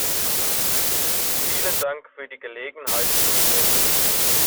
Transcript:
Vielen Dank für die Gelegenheit zu sprechen.